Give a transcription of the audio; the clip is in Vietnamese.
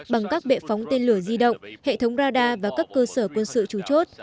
bằng các bệ phóng tên lửa di động hệ thống radar và các cơ sở quân sự chủ chốt